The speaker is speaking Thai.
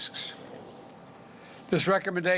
ค่ะ